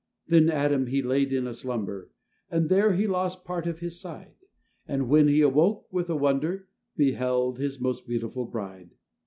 Then Adam he laid in a slumber, And there he lost part of his side; And when he awoke, with a wonder, Beheld his most beautiful bride!